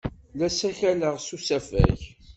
La ssakaleɣ s usafag.